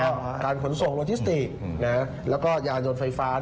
ก็การขนส่งโลจิสติกแล้วก็ยานยนต์ไฟฟ้า